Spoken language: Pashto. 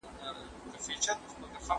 دا کار له هغه ګټور دي!